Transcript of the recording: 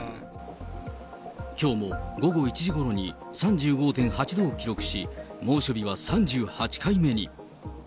きょうも午後１時ごろに３５．８度を記録し、猛暑日は３８回目に。